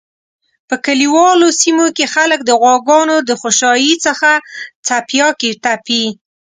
په کلیوالو سیمو کی خلک د غواګانو د خوشایی څخه څپیاکی تپی